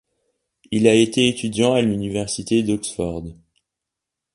Il a été étudiant à l'Université d'Oxford.